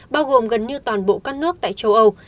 bao gồm gần như toàn bộ các nước tại châu âu